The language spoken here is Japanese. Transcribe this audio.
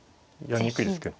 やりにくいですけど。